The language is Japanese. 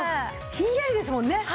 ひんやりですもんね。